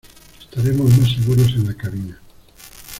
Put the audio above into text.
Estaremos más seguros en la cabina.